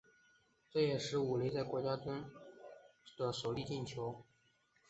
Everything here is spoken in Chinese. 这也是武磊在国家队中的首粒进球。